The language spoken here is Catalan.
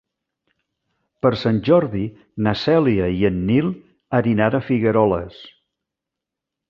Per Sant Jordi na Cèlia i en Nil aniran a Figueroles.